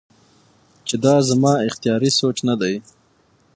چې دا زما اختياري سوچ نۀ دے